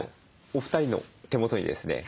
お二人の手元にですね